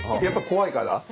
やっぱ怖いから？